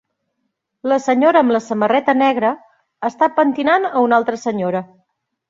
La senyora amb la samarreta negra està pentinant a una altra senyora.